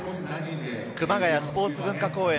熊谷スポーツ文化公園